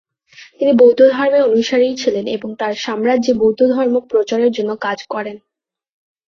তিনি বৌদ্ধ ধর্মের অনুসারী ছিলেন এবং তার সাম্রাজ্যে বৌদ্ধ ধর্ম প্রচারের জন্য কাজ করেন।